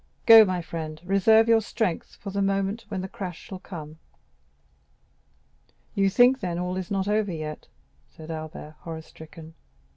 Go, my friend, reserve your strength for the moment when the crash shall come." 40179m "You think, then, all is not over yet?" said Albert, horror stricken.